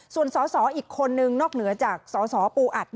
ส่วนสสอีกคนนึงนอกเหนือจากสสปูอัด